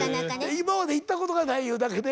今まで行ったことがないいうだけで。